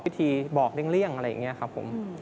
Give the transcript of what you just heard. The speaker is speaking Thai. พิธีบอกเลี่ยงอะไรอย่างนี้ครับผม